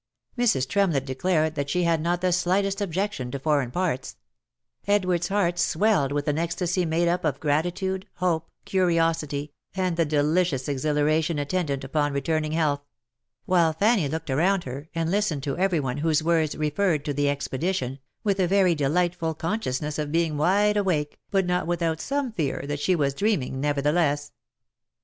Mrs. Tremlett declared that she had not the slightest ob jection to foreign parts ; Edward's heart swelled with an ecstasy made up of gratitude, hope, curiosity, and^the delicious exhilaration attendant upon returning health; while Fanny looked around her, and listened to every one whose words referred to the expedition, with a very de lightful consciousness of being wide awake, but not without some fear that she was dreaming, nevertheless.